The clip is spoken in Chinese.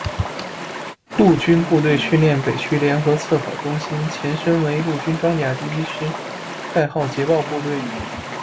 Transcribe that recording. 陆军部队训练北区联合测考中心，前身为陆军装甲第一师，代号：捷豹部队。